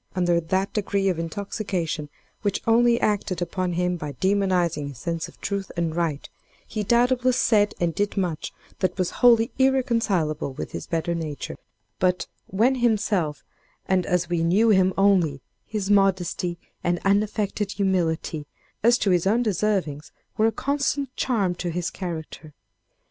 Under that degree of intoxication which only acted upon him by demonizing his sense of truth and right, he doubtless said and did much that was wholly irreconcilable with his better nature; but, when himself, and as we knew him only, his modesty and unaffected humility, as to his own deservings, were a constant charm to his character.